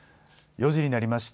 ４時になりました。